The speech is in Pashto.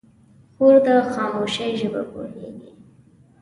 خور د خاموشۍ ژبه پوهېږي.